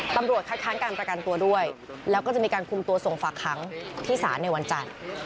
ตำรวจคัดค้านการประกันตัวด้วยแล้วก็จะมีการคุมตัวส่งฝากขังที่ศาลในวันจันทร์